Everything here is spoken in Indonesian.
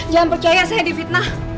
jangan percaya saya di fitnah